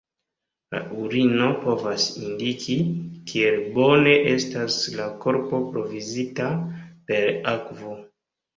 La urino povas indiki, kiel bone estas la korpo provizita per akvo.